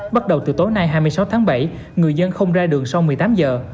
bắt đầu từ tối nay hai mươi sáu tháng bảy người dân không ra đường sau một mươi tám giờ